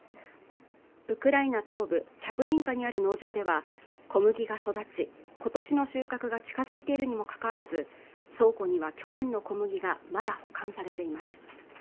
ウクライナ東部チャプリンカにある農場では小麦が育ち今年の収穫が近づいているにもかかわらず倉庫には去年の小麦がまだ保管されています